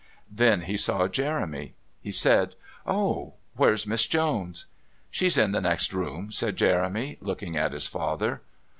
Then he saw Jeremy. He said: "Oh! Where's Miss Jones?" "She's in the next room," said Jeremy, looking at his father.